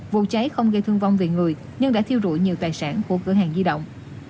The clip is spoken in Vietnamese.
vụ cháy không gây thương vong về người nhưng đã thiêu rụi nhiều tài sản của cửa hàng di động